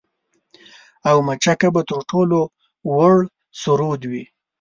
او مچکه به تر ټولو وُړ سرود وي